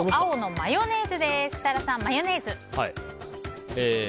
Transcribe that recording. マヨネーズ。